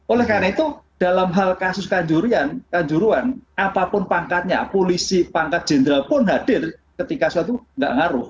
oleh karena itu dalam hal kasus kanjuruan apapun pangkatnya polisi pangkat jenderal pun hadir ketika sesuatu tidak mengaruh